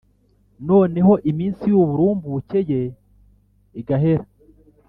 noneho iminsi y’uburumbuke ye igahera